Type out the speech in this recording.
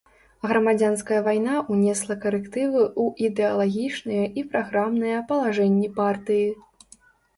Грамадзянская вайна ўнесла карэктывы ў ідэалагічныя і праграмныя палажэнні партыі.